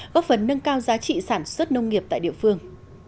góp phần nâng cao giá trị sản xuất nông nghiệp tại địa phương